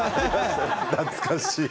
懐かしい。